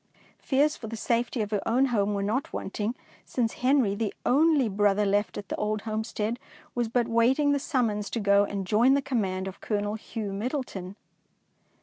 Fears for the safety of her own home were not wanting, since Henry, the only brother left at the old homestead, was but waiting the summons to go and join the command of Colonel Hugh Middleton.